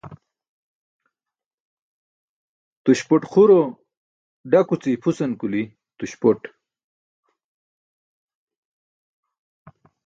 Tuśpot xuro daku ce ipʰusan kuli tuśpot.